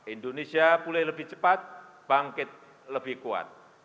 indonesia pulih lebih cepat bangkit lebih kuat